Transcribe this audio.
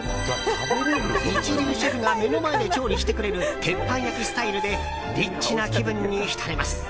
一流シェフが目の前で調理してくれる鉄板焼きスタイルでリッチな気分に浸れます。